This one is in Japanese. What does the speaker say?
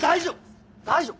大丈夫！